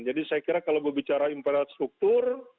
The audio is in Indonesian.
jadi saya kira kalau berbicara infrastruktur